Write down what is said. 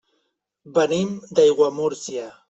Venim d'Aiguamúrcia.